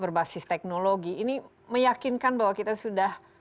berbasis teknologi ini meyakinkan bahwa kita sudah